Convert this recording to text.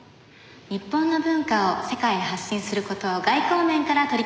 日本の文化を世界へ発信する事を外交面から取り組まれております